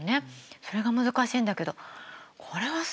それが難しいんだけどこれはすごいね。